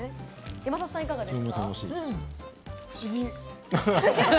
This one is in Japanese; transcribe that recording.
山里さん、いかがですか？